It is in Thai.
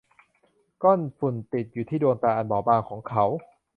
ก้อนฝุ่นติดอยู่ที่ดวงตาอันบอบบางของเขา